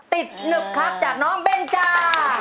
หนึบครับจากน้องเบนจ้า